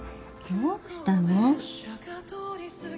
どうしたの？